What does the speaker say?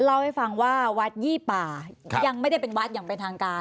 เล่าให้ฟังว่าวัดยี่ป่ายังไม่ได้เป็นวัดอย่างเป็นทางการ